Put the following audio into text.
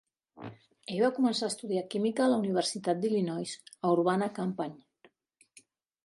Ell va començar a estudiar química a la Universitat d'Illinois a Urbana-Champaign.